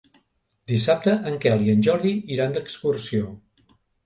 Dissabte en Quel i en Jordi iran d'excursió.